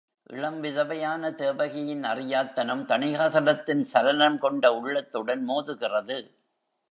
இளம் விதவையான தேவகியின் அறியாத் தனம் தணிகாசலத்தின் சலனம் கொண்ட உள்ளத்துடன் மோதுகிறது.